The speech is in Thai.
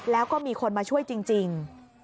แล้วก็มีคนมาช่วยจริง